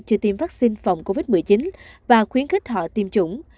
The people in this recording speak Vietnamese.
chưa tiêm vaccine phòng covid một mươi chín và khuyến khích họ tiêm chủng